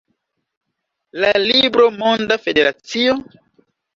La libro Monda Federacio?